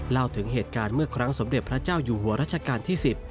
เล่าถึงเหตุการณ์เมื่อครั้งสมเด็จพระเจ้าอยู่หัวรัชกาลที่๑๐